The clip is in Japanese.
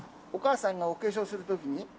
お母さんがお化粧するときに？